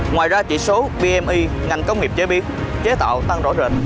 ngoài ra chỉ số bme ngành công nghiệp chế biến chế tạo tăng rõ rệt